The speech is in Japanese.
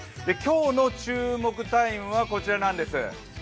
今日の注目タイムはこちらなんです。